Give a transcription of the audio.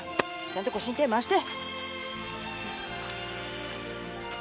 ちゃんと腰に手回して！